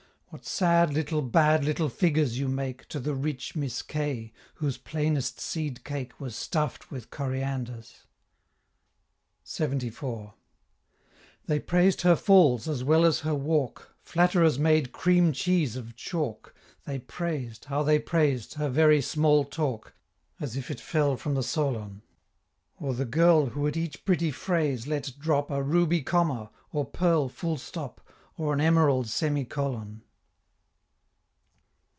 What sad little bad little figures you make To the rich Miss K., whose plainest seed cake Was stuff'd with corianders! LXXIV. They praised her falls, as well as her walk, Flatterers make cream cheese of chalk, They praised how they praised her very small talk, As if it fell from the Solon; Or the girl who at each pretty phrase let drop A ruby comma, or pearl full stop, Or an emerald semi colon.